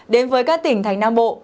đến với các tỉnh thành nam bộ